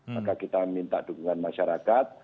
maka kita minta dukungan masyarakat